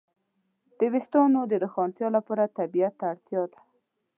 د وېښتیانو د روښانتیا لپاره طبيعت ته اړتیا ده.